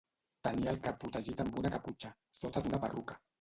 Tenia el cap protegit amb una caputxa, sota d'una perruca.